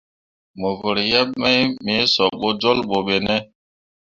Mo vǝrri yeb mai me sob bo jolbo be ne ?